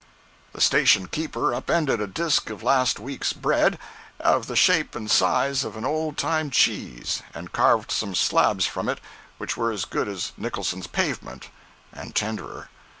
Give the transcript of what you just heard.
043.jpg (23K) The station keeper upended a disk of last week's bread, of the shape and size of an old time cheese, and carved some slabs from it which were as good as Nicholson pavement, and tenderer.